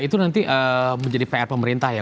itu nanti menjadi pr pemerintah ya